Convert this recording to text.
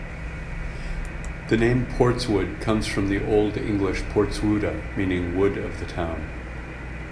The name "Portswood" comes from the Old English "Porteswuda", meaning "wood of the town".